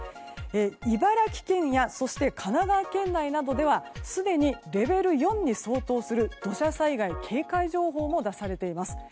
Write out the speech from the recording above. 茨城県や神奈川県内などではすでにレベル４に相当する土砂災害警戒情報も出されています。